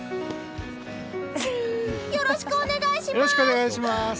よろしくお願いします！